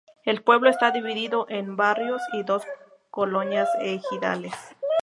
El pueblo está dividido en "barrios" y dos colonias ejidales.